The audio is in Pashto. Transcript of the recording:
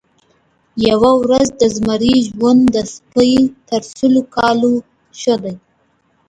یوه ورځ د زمري ژوند د پسه تر سلو کلونو ښه دی.